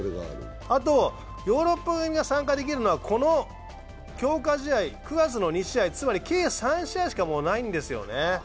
あと、ヨーロッパ組が参加できるのはこの強化試合、９月の強化試合、つまり計３試合しかないんですよね